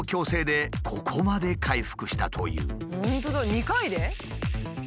２回で？